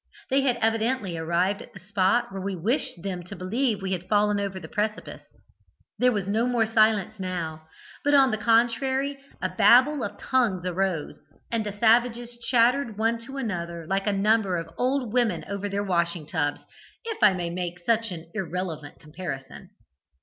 They had evidently arrived at the spot where we wished them to believe we had fallen over the precipice. There was no more silence now, but on the contrary a Babel of tongues arose, and the savages chattered one to another like a number of old women over their washing tubs, if I may make such an irreverent comparison.